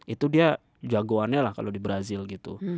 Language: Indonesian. itu dia jagoannya lah kalau di brazil gitu